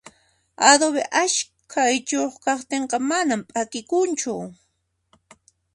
Adobe ashka ichuyuq kaqtinqa manan p'akikunchu